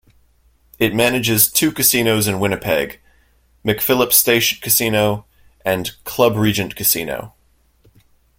It manages two casinos in Winnipeg: McPhillips Station Casino and Club Regent Casino.